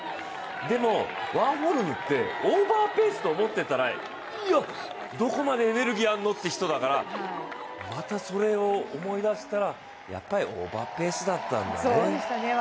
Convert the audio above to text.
でも、ワーホルムってオーバーペースと思ってたらいや、どこまでエネルギーあんの？っていう人だからまたそれを思い出したらやっぱりオーバーペースだったんだね。